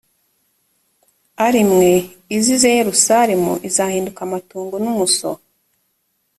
ari mwe izize yerusalemu izahinduka amatongo n umuso